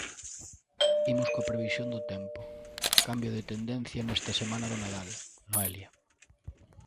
Imos coa previsión do tempo, cambio de tendencia nesta semana do Nadal, Noelia.